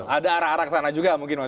ada arah arah sana juga mungkin mas